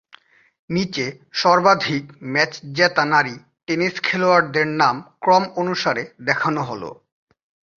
নিচে সর্বাধিক ম্যাচ জেতা নারী টেনিস খেলোয়াড়দের নাম ক্রম অনুসারে দেখানো হলঃ